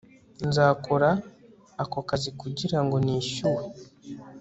Nzakora ako kazi kugira ngo nishyuwe